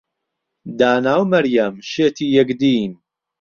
دانا و مەریەم شێتی یەکدین.